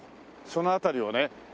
その辺りをね